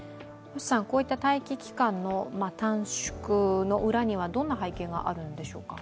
待機期間の短縮の裏にはどんな背景があるんでしょうか？